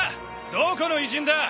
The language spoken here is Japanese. どこの異人だ！？